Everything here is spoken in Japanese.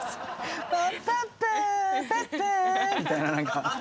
パッパッパーパッパーみたいな何か。